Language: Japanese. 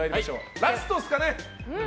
ラストですかね。